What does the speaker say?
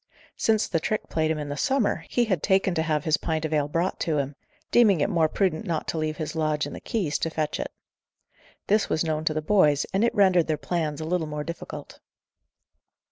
Since the trick played him in the summer, he had taken to have his pint of ale brought to him; deeming it more prudent not to leave his lodge and the keys, to fetch it. This was known to the boys, and it rendered their plans a little more difficult.